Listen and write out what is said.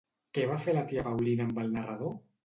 Què va fer la tia Paulina amb el narrador?